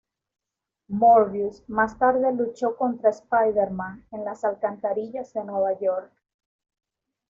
Morbius más tarde luchó contra Spider-Man en las alcantarillas de Nueva York.